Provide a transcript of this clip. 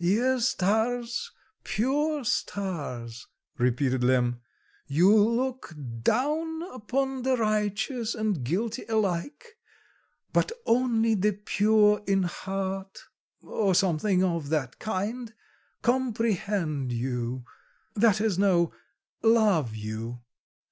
"'Ye stars, pure stars,'" repeated Lemm... "'You look down upon the righteous and guilty alike.. but only the pure in heart,' or something of that kind 'comprehend you' that is, no 'love you.